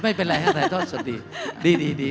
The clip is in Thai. ไม่เป็นไรฮะถ่ายทอดสดดีดี